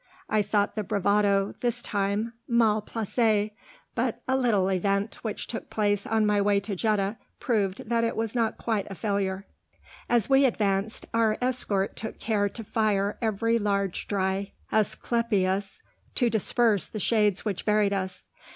I thought the bravado this time mal placé; but a little event which took place on my way to Jeddah proved that it was not quite a failure. As we advanced our escort took care to fire every large dry asclepias, to disperse the shades which buried us.